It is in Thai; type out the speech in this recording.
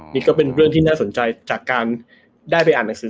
นี่ก็เป็นเรื่องที่น่าสนใจ